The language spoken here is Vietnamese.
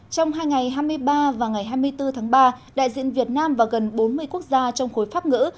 trong hai ngày hai mươi ba và ngày hai mươi bốn tháng ba đại diện việt nam và gần bốn mươi quốc gia trong khối pháp ngữ